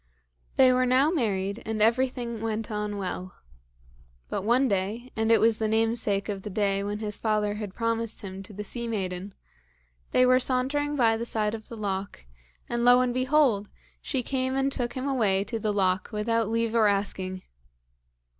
They were now married, and everything went on well. But one day, and it was the namesake of the day when his father had promised him to the sea maiden, they were sauntering by the side of the loch, and lo and behold! she came and took him away to the loch without leave or asking.